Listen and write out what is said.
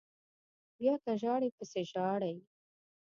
بیا که ژاړئ پسې ژاړئ